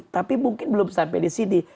tapi mungkin belum sampai di sini